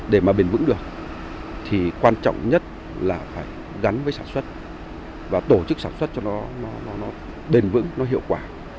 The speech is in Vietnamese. để mà bền vững được thì quan trọng nhất là phải gắn với sản xuất và tổ chức sản xuất cho nó bền vững nó hiệu quả